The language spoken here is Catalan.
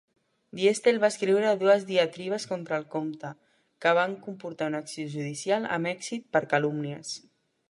Diestel va escriure dues diatribes contra el comte, que van comportar una acció judicial amb èxit per calúmnies.